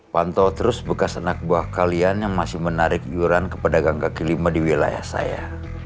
pantau terus bekas anak buah kalian yang masih menarik yuran kepada gangga kelima di wilayah saya